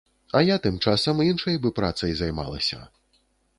А я тым часам іншай бы працай займалася.